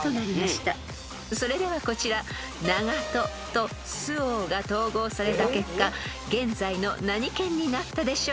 ［それではこちら長門と周防が統合された結果現在の何県になったでしょう？］